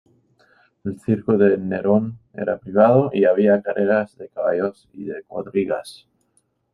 El Circo de Nerón era privado, y había carreras de caballos y de cuadrigas.